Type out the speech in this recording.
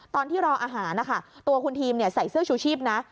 ตอนที่รออาหารนะคะตัวคุณทีมใส่เสื้อชูชีพนะ